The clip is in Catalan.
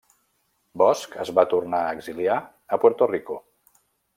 Bosch es va tornar a exiliar a Puerto Rico.